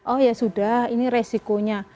oh ya sudah ini resikonya